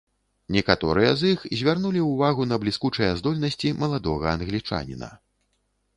Некаторыя з іх звярнулі ўвагу на бліскучыя здольнасці маладога англічаніна.